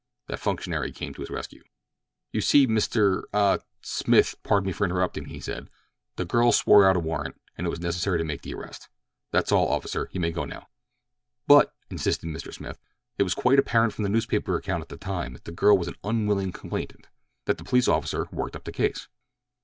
That functionary came to his rescue. "You see, Mr.—a—Smith, pardon me for interrupting," he said, "the girl swore out a warrant, and it was necessary to make the arrest. That's all, officer, you may go now." "But," insisted Mr. Smith, "it was quite apparent from the newspaper account at the time that the girl was an unwilling complainant—that the police officer worked up the case."